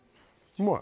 うまい。